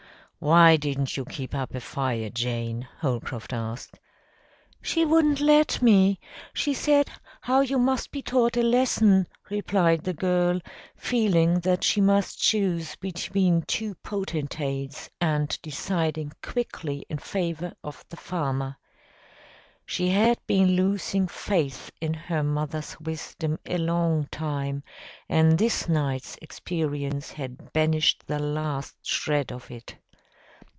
"Why didn't you keep up a fire, Jane?" Holcroft asked. "She wouldn't let me. She said how you must be taught a lesson," replied the girl, feeling that she must choose between two potentates, and deciding quickly in favor of the farmer. She had been losing faith in her mother's wisdom a long time, and this night's experience had banished the last shred of it.